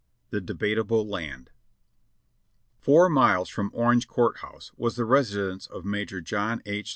"the debatable land/' Four miles from Orange Court House was the residence of Major John H.